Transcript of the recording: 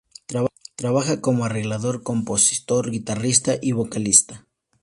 Trabaja como arreglador, compositor, guitarrista y vocalista.